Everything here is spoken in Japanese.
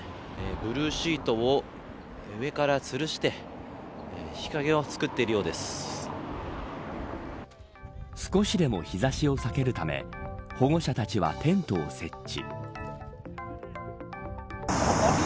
ブルーシートを上からつるして少しでも日差しを避けるため保護者たちはテントを設置。